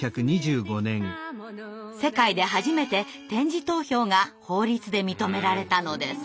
世界で初めて点字投票が法律で認められたのです。